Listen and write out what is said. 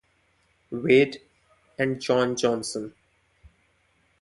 Wade, and John Johnson.